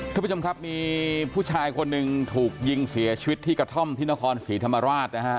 คุณผู้ชมครับมีผู้ชายคนหนึ่งถูกยิงเสียชีวิตที่กระท่อมที่นครศรีธรรมราชนะฮะ